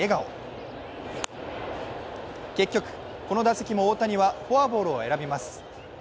結局、この打席も大谷はフォアボールを選びます。